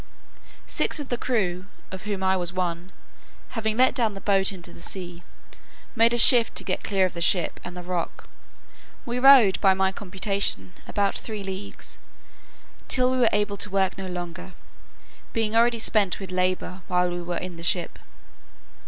Six of the crew, of whom I was one, having let down the boat into the sea, made a shift to get clear of the ship and the rock. We rowed, by my computation, about three leagues, till we were able to work no longer, being already spent with labour while we were in the ship.